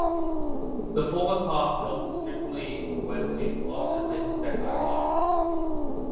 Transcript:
The former class held strictly to Wesley's long and latest declaration.